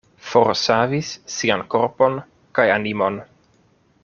Forsavis sian korpon kaj animon.